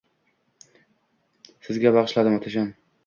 Sizga bag’ishladim, Otajon!